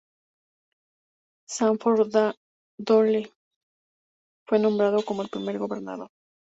Sanford Dole fue nombrado como el primer gobernador.